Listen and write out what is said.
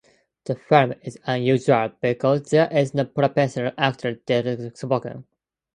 The film is unusual because there is no principal actor dialogue spoken.